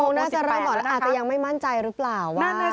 ๖โมงน่าจะเรียกว่าอาจจะยังไม่มั่นใจหรือเปล่าว่า